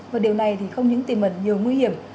và điều này thì không những tìm ẩn nhiều nguy hiểm